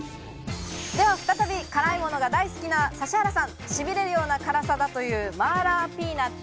再び辛いものが大好きな指原さん、しびれるような辛さだという麻辣ピーナッツ。